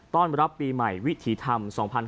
ต้อนรับปีใหม่วิถีธรรม๒๕๖๒